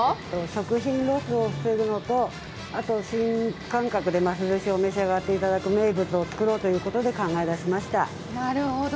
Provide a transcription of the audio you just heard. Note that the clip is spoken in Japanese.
食品ロスを防ぐのと新感覚でます寿しを召し上がっていただく名物を作ろうということで考えだしました。